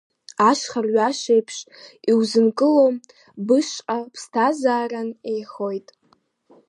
Ашьха рҩаш еиԥш иузынкылом, Бышҟа ԥсҭазаран еихоит…